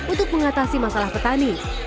untuk mengatasi masalah petani